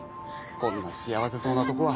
こんな幸せそうなとこは。